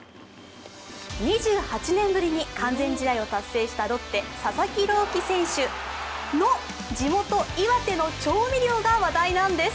２８年ぶりに完全試合を達成したロッテ・佐々木朗希選手の地元岩手の調味料が話題なんです。